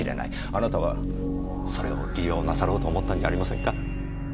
あなたはそれを利用なさろうと思ったんじゃありませんか？